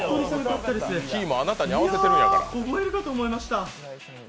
いや凍えるかと思いました。